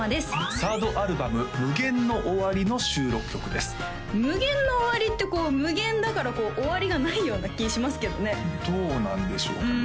３ｒｄアルバム「無限の終わり」の収録曲です「無限の終わり」って無限だから終わりがないような気がしますけどねどうなんでしょうかま